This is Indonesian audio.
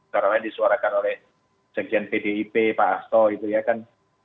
seorang lain disuarakan oleh sebagian pdip pak asto itu ya kan